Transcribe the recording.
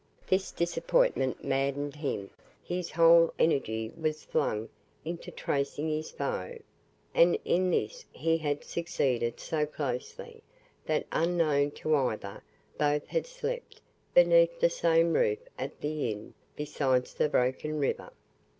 This disappointment maddened him; his whole energy was flung into tracing his foe, and in this he had succeeded so closely, that unknown to either, both had slept beneath the same roof at the inn beside the Broken River.